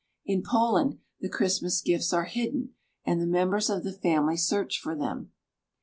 In Poland, the Christmas gifts are hidden, and the members of the family search for them.